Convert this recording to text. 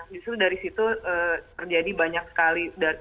justru dari situ terjadi banyak sekali